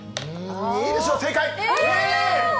いいでしょう、正解！